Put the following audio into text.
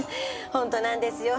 本当なんですよ。